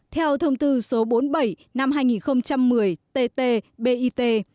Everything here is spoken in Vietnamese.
theo thông tư số bốn mươi bảy năm hai nghìn một mươi tt bit